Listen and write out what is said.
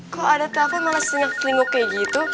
kok ada telepon malah selingkuh kayak gitu